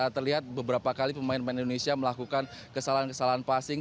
terlihat beberapa kali pemain pemain indonesia melakukan kesalahan kesalahan passing